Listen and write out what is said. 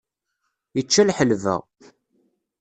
Ičča lḥelba.